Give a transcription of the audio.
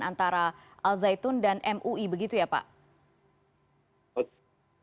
antara azaitun dan mui begitu ya pak